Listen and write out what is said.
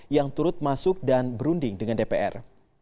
yang turut masuk dan berunding dengan dpr